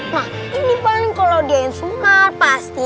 nah ini paling kalau dia yang semunar pasti